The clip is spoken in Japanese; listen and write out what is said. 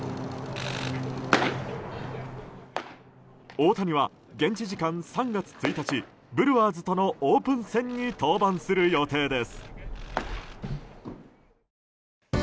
大谷は、現地時間３月１日ブルワーズとのオープン戦に登板する予定です。